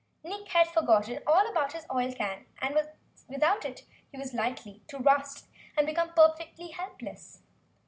Nick had forgotten all about his oil can and without it he was likely to rust and become perfectly helpless.